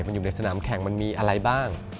มันอยู่ในสนามแข่งมันมีอะไรบ้าง